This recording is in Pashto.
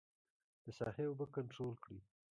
د ساحې اوبه کنترول کړي.